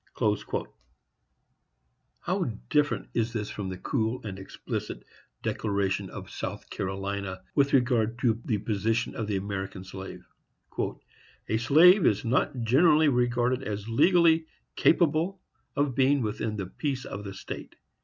[Sidenote: Wheeler's Law of Slavery, p. 243.] How different is this from the cool and explicit declaration of South Carolina with regard to the position of the American slave:—"A slave is not generally regarded as legally capable of being within the peace of the state.